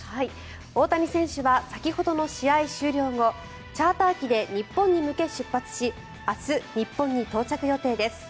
大谷選手は先ほどの試合終了後チャーター機で日本に向け出発し明日、日本に到着予定です。